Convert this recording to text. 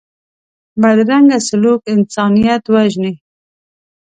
بدرنګه سلوک انسانیت وژني